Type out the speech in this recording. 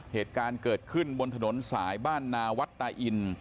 เหตุการณ์เกิดขึ้นบนถนนสายบ้านนาวัดตาอิน